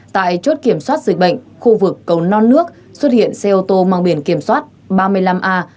tại chốt kiểm soát dịch bệnh khu vực cầu non nước xuất hiện xe ô tô mang biển kiểm soát ba mươi năm a hai mươi hai nghìn hai trăm chín mươi